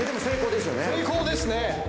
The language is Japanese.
成功ですね。